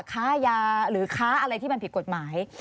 ค้ายาหรือค้าอะไรที่มันผิดกฎหมาย